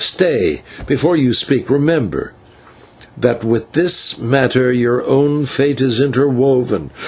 Stay, before you speak, remember that with this matter your own fate is interwoven.